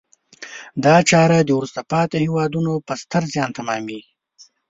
دا چاره د وروسته پاتې هېوادونو په ستر زیان تمامیږي.